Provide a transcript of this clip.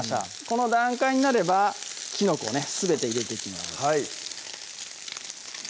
この段階になればきのこをねすべて入れていきます